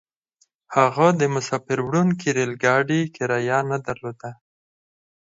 هغه د مساپر وړونکي ريل ګاډي کرايه نه درلوده.